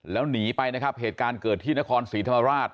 แล้วหนีไปนะครับเหตุการณ์เกิดที่นครศรีธรรมราช